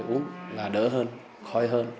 uống là đỡ hơn khói hơn